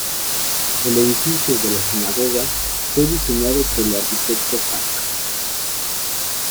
El edificio de la sinagoga, fue diseñado por el arquitecto Jac.